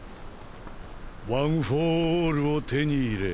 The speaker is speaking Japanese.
ワン・フォー・オールを手に入れ